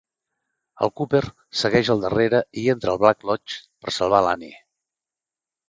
El Cooper segueix al darrere i entra al Black Lodge per salvar l'Annie.